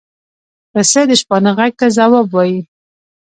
پسه د شپانه غږ ته ځواب وايي.